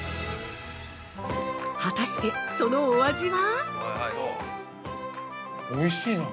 果たして、そのお味は。